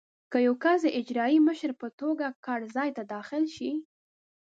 که یو کس د اجرایي مشر په توګه کار ځای ته داخل شي.